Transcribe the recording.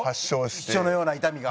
一緒のような痛みが。